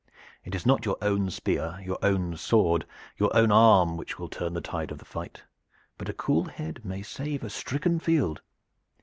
It is not your own spear, your own sword, your own arm, which will turn the tide of fight; but a cool head may save a stricken field.